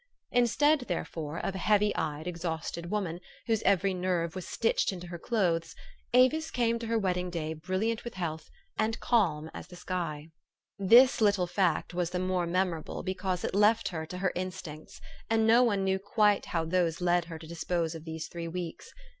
In stead, therefore, of a heavy eyed, exhausted woman, whose every nerve was stitched into her clothes, Avis came to her wedding day brilliant with health, and calm as the sky. 230 THE STORY OF AVIS. This little fact was the more memorable because it left her to her instincts, and no one knew quite how those led her to dispose of these three weeks.